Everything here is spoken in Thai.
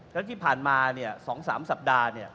แล้วที่ผ่านมาเนี่ย๒๓สัปดาห์เนี่ย